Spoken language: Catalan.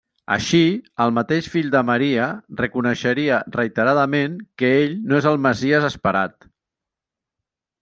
Així, el mateix fill de Maria reconeixeria reiteradament que ell no és el Messies esperat.